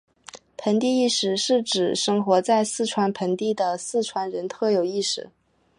盆地意识是指生活在四川盆地的四川人的特有意识。